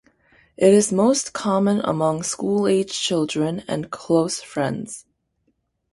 It is most common among school-age children and close friends.